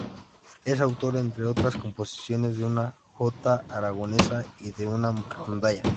Es autor, entre otras composiciones, de una Jota Aragonesa y de una Rondalla.